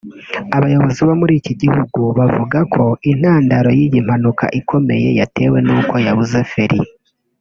Abayobozi bo muri iki gihugu bavuga ko intandaro y’iyi mpanuka ikomeye yatewe n’uko yabuze feri